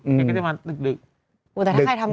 โหแต่ถ้าใครทำงานเช้าเขาก็คืน